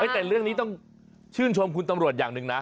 แต่เรื่องนี้ต้องชื่นชมคุณตำรวจอย่างหนึ่งนะ